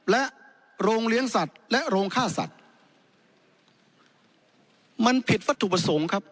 และโรงเลี้ยงสัตว์และโรงฆ่าสัตว์มันผิดวัตถุประสงค์ครับ